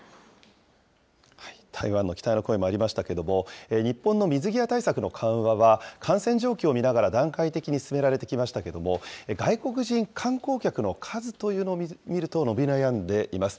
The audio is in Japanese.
台湾の期待の声もありましたけれども、日本の水際対策の緩和は、感染状況を見ながら段階的に進められてきましたけれども、外国人観光客の数というのを見ると伸び悩んでいます。